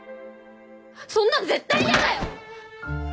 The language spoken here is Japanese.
そんなの絶対やだよ！